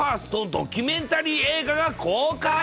ドキュメンタリー映画が公開。